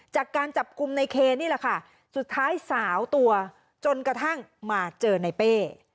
จากการจับกลุ่มในเคนี่แหละค่ะสุดท้ายสาวตัวจนกระทั่งมาเจอในเป้